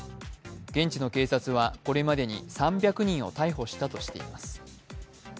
現地の警察はこれまでに３００人を逮捕したとしています。